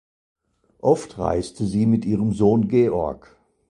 Oft reiste sie mit ihrem Sohn Georg.